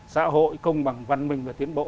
xã hội công bằng văn minh và tiến bộ